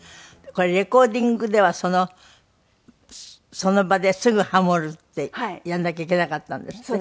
これレコーディングではその場ですぐハモるってやんなきゃいけなかったんですって？